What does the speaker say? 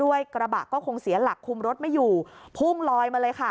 กระบะก็คงเสียหลักคุมรถไม่อยู่พุ่งลอยมาเลยค่ะ